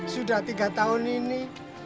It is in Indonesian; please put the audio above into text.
sudah tiga tahun ini